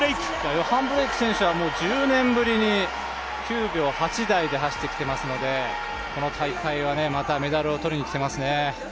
ヨハン・ブレイク選手は１０年ぶりに９秒８０台で走ってきてますのでこの大会でまたメダルを取りに来てますよね。